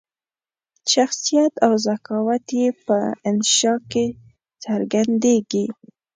شخصیت او ذکاوت یې په انشأ کې څرګندیږي.